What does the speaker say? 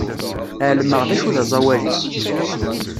Ɛelmeɣ d acu d aẓawali.